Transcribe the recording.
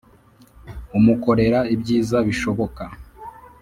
Umukorera ibyiza bishoboka